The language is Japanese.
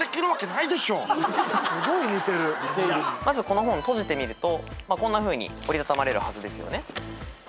まずこの本閉じてみるとこんなふうに折りたたまれるはずですよね。